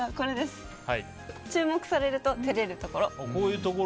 注目されると照れるところ。